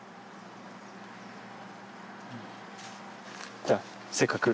じゃせっかく。